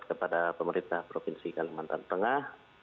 kepada pemerintah provinsi kalimantan tengah